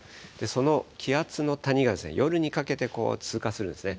その気圧の谷が、夜にかけて通過するんですね。